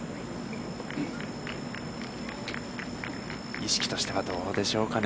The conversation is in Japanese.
意識としてはどうでしょうかね。